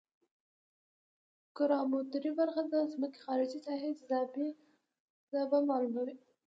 ګراومتري برخه د ځمکې د خارجي ساحې جاذبه معلوموي